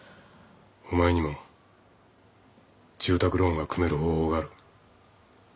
お前にも住宅ローンが組める方法がある。